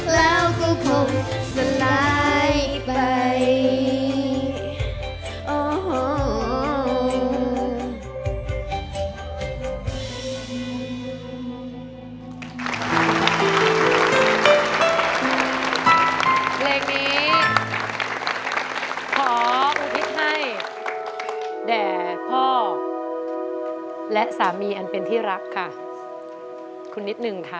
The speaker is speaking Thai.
แล้วก็คงสลายไป